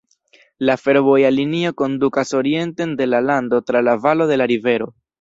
La fervoja linio kondukas orienten de la lando tra la valo de la rivero.